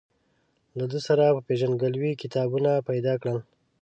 له ده سره په پېژندګلوۍ کتابونه پیدا کړل.